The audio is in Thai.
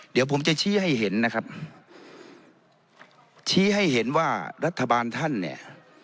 เดี๋ยวผมจะชี้ให้เห็นนะครับชี้ให้เห็นว่ารัฐบาลท่านเนี่ย